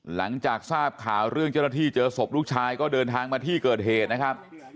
หลังจากทราบข่าวเรื่องเจ้าหน้าที่เจอศพลูกชายก็เดินทางมาที่เกิดเหตุนะครับ